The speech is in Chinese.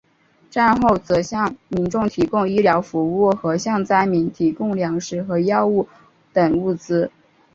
战后则向民众提供医疗服务和向灾民提供粮食和药物等物资。